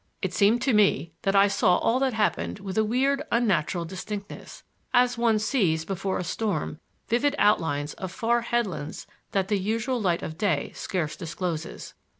It seemed to me that I saw all that happened with a weird, unnatural distinctness, as one sees, before a storm, vivid outlines of far headlands that the usual light of day scarce discloses.